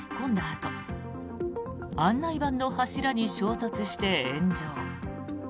あと案内板の柱に衝突して炎上。